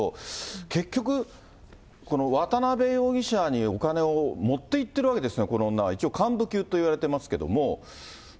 結局、この渡辺容疑者にお金を持っていってるわけですよね、この女は、一応幹部級と言われてますけども。